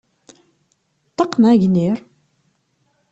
Ṭṭaq neɣ agnir?